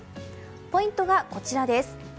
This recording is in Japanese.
ポイントはこちらです。